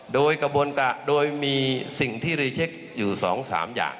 โดยกระบวนการโดยมีสิ่งที่รีเช็คอยู่๒๓อย่าง